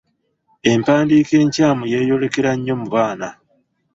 Empandiika enkyamu yeeyolekera nnyo mu baana.